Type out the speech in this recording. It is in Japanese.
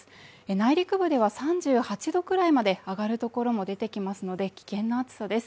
内陸部では３８度くらいまで上がる所も出てきますので危険な暑さです